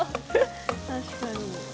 確かに。